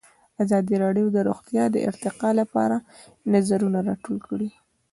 ازادي راډیو د روغتیا د ارتقا لپاره نظرونه راټول کړي.